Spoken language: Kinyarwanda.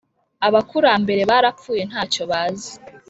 Abakurambere barapfuye nta cyo bazi